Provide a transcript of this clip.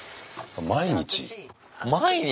毎日。